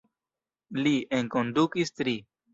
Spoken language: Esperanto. Li enkondukis tri.